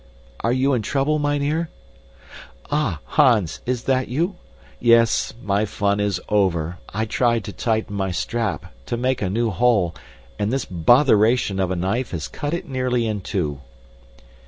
"Are you in trouble, mynheer?" "Ah, Hans, that you? Yes, my fun is over. I tried to tighten my strap to make a new hole and this botheration of a knife has cut it nearly in two."